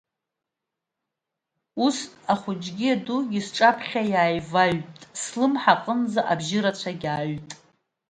Ус хәыҷгьы дугьы сҿаԥхьа иааиваҩт, слымҳа аҟынӡа бжьы рацәагь ааҩт.